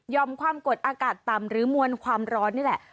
ความกดอากาศต่ำหรือมวลความร้อนนี่แหละ